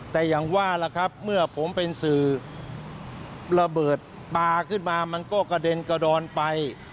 แต่อย่างว่าล่ะครับเมื่อผมเป็นสื่อระเบิดปลาขึ้นมามันก็กระเด็นกระดอนไป